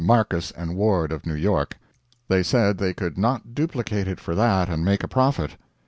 Marcus and Ward of New York. They said they could not duplicate it for that and make a profit.